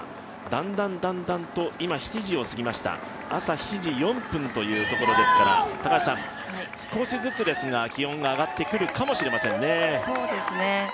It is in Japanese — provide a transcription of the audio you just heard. だんだんだんだんと今、７時を過ぎました朝７時４分というところですから少しずつですが気温が上がってくるかもしれませんね。